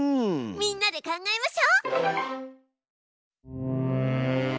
みんなで考えましょ！